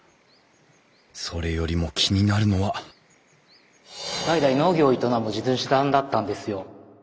それよりも気になるのは代々農業を営む地主さんだったんですよ。